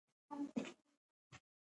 په دې پوهېدل هم اړین دي چې باید څه ووایې